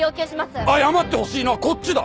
謝ってほしいのはこっちだ！